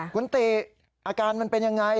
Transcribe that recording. คุณติอาการมันเป็นยังไง